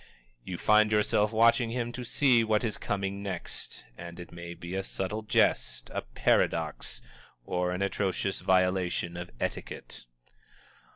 You find yourself watching him to see what is coming next, and it may be a subtle jest, a paradox, or an atrocious violation of etiquette.